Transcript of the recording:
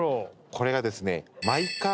これがですね。